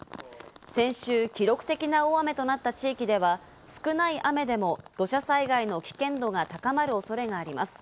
先週記録的な大雨となった地域では少ない雨でも土砂災害の危険度が高まるおそれがあります。